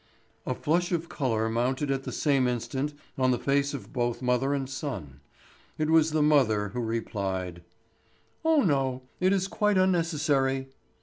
A flush of colour mounted at the same instant on the face of both mother and son. It was the mother who replied: "Oh, no, it is quite unnecessary!"